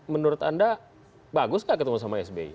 menurut anda bagus gak ketemu sama sby